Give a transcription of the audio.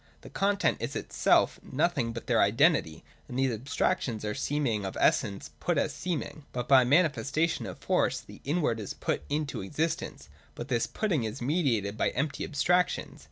The content is itself nothing but their identity (§ 138) : and these abstractions are the seeming of essence, put as seeming. By the mani festation of force the inward is put into existence : but this putting is the mediation by empty abstractions.